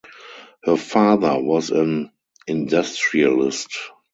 Her father was an industrialist.